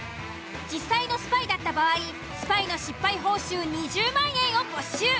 実際のスパイだった場合スパイの失敗報酬２０万円を没収。